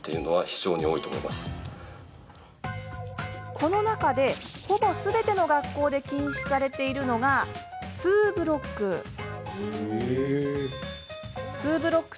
この中で、ほぼすべての学校で禁止されているのがツーブロック。